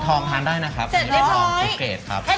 ท้องทานได้นะครับอันนี้คือท้องปุ๊กเกรดครับ๗๐๐บาท